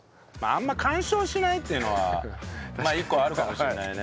あんまり干渉しないっていうのは一個あるかもしれないね。